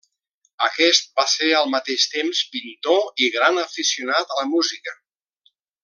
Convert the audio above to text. Aquest va ser al mateix temps pintor i gran aficionat a la música.